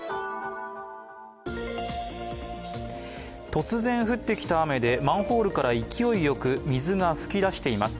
突然、降ってきた雨でマンホールから勢いよく水が噴き出しています。